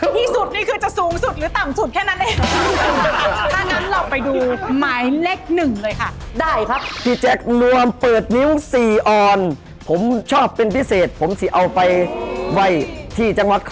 ๖๕๐๐บาทครับพี่แจ๊ค